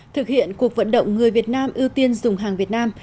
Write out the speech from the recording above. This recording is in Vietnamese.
thực hiện cuộc vận động người việt nam ưu tiên dùng hàng việt nam